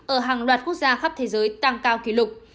ở hàng loạt quốc gia khắp thế giới tăng cao kỷ lục